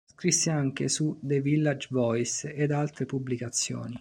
Scrisse anche su "The Village Voice" ed altre pubblicazioni.